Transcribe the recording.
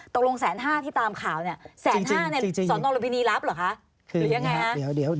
ตรงลงแสนห้าที่ตามข่าวเนี่ย